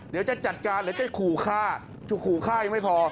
เดี๋ยวจะจัดการหรือจะขู่ฆ่าจะขู่ฆ่ายังไม่พอ